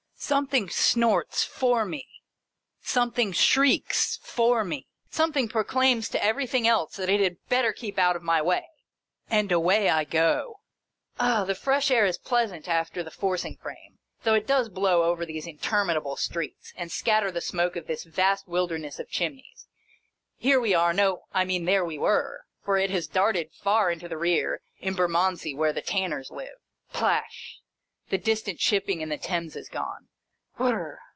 Something snorts for me, some thing shrieks for me, something proclaims to everything else that it had better keep out of my way, — and away I go. Ah ! The fresh air is pleasant after the forcing frame, though it does blow over these interminable streets, and scatter the smoke of this vast wilderness of chimneys. Here we are — no, I mean there we were, for it has darted far into the rear — in Bermondsey where the tanners live. Plash ! The distant shipping in the Thames is gone.